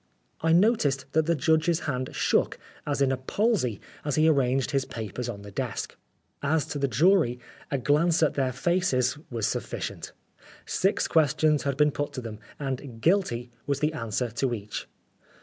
I noticed that the judge's hand shook as in a palsy as he arranged his papers on the desk. As to the jury, a glance at their faces was sufficient. Six questions had been put to them, and f< Guilty " was the answer to each.